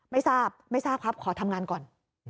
ไม่ทราบไม่ทราบครับขอทำงานก่อน